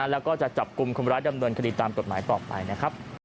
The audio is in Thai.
แล้วก็จะจับกลุ่มคนร้ายดำเนินคดีตามกฎหมายต่อไปนะครับ